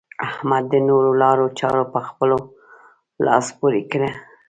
احمد د نورو لارو چارو په خپلولو لاس پورې کړ.